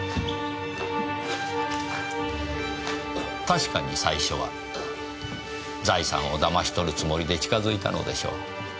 確かに最初は財産をだまし取るつもりで近づいたのでしょう。